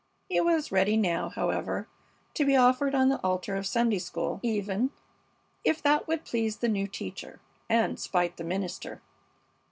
He was ready now, however, to be offered on the altar of Sunday school, even, if that would please the new teacher and spite the minister.